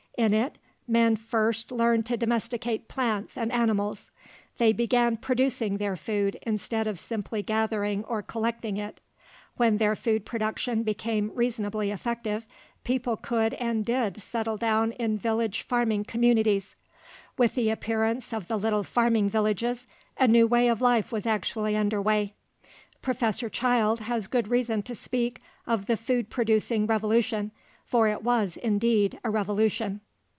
In it, men first learned to domesticate plants and animals. They began producing their food instead of simply gathering or collecting it. When their food production became reasonably effective, people could and did settle down in village farming communities. With the appearance of the little farming villages, a new way of life was actually under way. Professor Childe has good reason to speak of the "food producing revolution," for it was indeed a revolution.